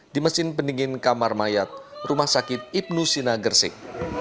di mesin pendingin kamar mayat rumah sakit ibnu sina gersik